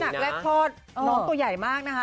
น้ำหนักแรกทอดน้องตัวใหญ่มากนะฮะ๓๑๔๘